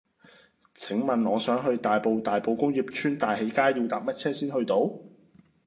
請問我想去大埔大埔工業邨大喜街要搭乜嘢車先去到